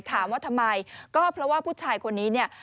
ถามว่าทำไมก็เพราะว่าผู้ชายคนนี้เนี่ย